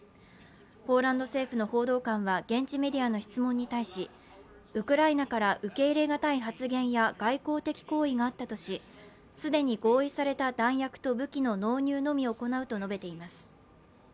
ポーランド政府の報道官は現地メディアの質問に対しウクライナから受け入れがたい発言や外交的行為があったとし、既に合意された弾薬と武器の納入のみ行うと述べています。